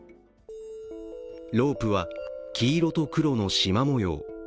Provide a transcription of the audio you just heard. ロープは黄色と黒のしま模様。